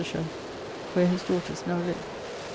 wher his daughters now live.